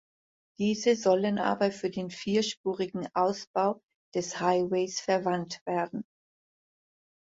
Diese sollen aber für den vierspurigen Ausbau des Highways verwandt werden.